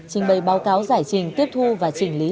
trình bày báo cáo giải trình tiếp thu và trình lý